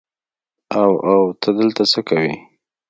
او او ته دلته څه کوې.